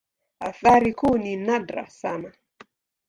Athari kuu ni nadra sana.